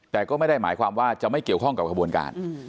แต่ก็ไม่ได้หมายความว่าจะไม่เกี่ยวข้องกับขบวนการ